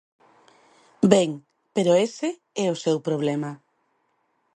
Ben, pero ese é o seu problema.